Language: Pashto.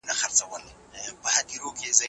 موږ باید په پدیدو واکمن قوانین پیدا کړو.